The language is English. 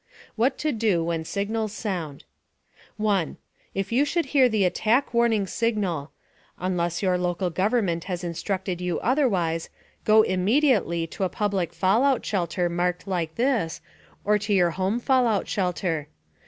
WHAT TO DO WHEN SIGNALS SOUND 1. If you should hear the Attack Warning Signal unless your local government has instructed you otherwise go immediately to a public fallout shelter marked like this, or to your home fallout shelter.